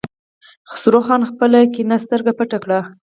خسرو خان خپله کيڼه سترګه پټه کړه.